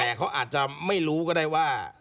แต่เขาอาจจะไม่รู้ก็ได้ว่า